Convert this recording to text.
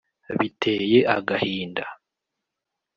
Biteye agahinda.